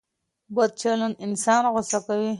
بد چلند انسان غوسه کوي.